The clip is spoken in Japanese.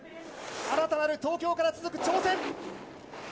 新たなる東京から続く挑戦。